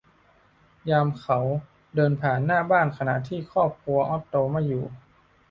ยามเขาเดินผ่านบ้านขณะที่ครอบครัวออตโตไม่อยู่